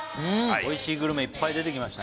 おいしいグルメいっぱい出てきました